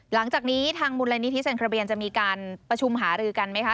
หลังจากนี้ทางมูลนิธิเซ็นทรเบียนจะมีการประชุมหารือกันไหมคะ